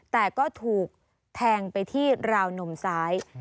แต่ก็ถูกแทงไปที่ราวนมซ้าย